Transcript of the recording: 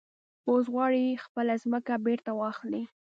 اوس غواړي خپله ځمکه بېرته واخلي.